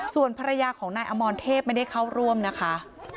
ส่วนภรรยาของนายอมรเทพไม่ได้เข้าร่วมนะคะ